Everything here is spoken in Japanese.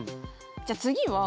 じゃあ次は。